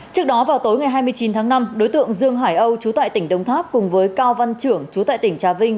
trước đó vào tối ngày hai mươi chín tháng năm đối tượng dương hải âu chú tại tỉnh đông tháp cùng với cao văn trưởng chú tại tỉnh trà vinh